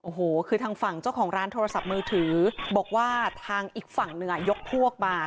โอ้โหคือทางฝั่งเจ้าของร้านโทรศัพท์มือถือบอกว่าทางอีกฝั่งหนึ่งอ่ะยกพวกมา